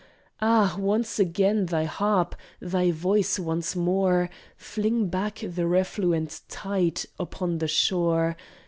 Ah! once again thy harp, thy voice once more, Fling back the refluent tide upon the shore.